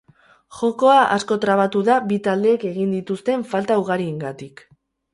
Jokoa asko trabatu da bi taldeek egin dituzten falta ugariengatik.